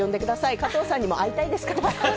加藤さんにも会いたいですから。